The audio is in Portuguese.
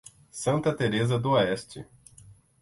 Santa Tereza do Oeste